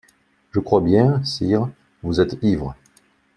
Je crois bien, sire, vous êtes ivre!